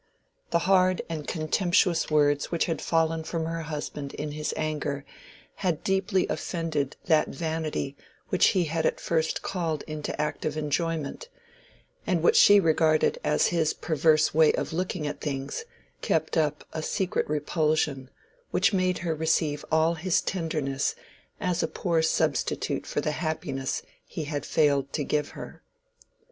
The hard and contemptuous words which had fallen from her husband in his anger had deeply offended that vanity which he had at first called into active enjoyment; and what she regarded as his perverse way of looking at things, kept up a secret repulsion, which made her receive all his tenderness as a poor substitute for the happiness he had failed to give her.